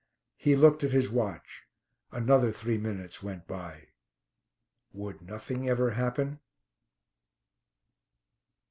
He looked at his watch. Another three minutes went by. Would nothing ever happen?